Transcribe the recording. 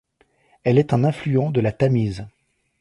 Elle est un affluent de la Tamise.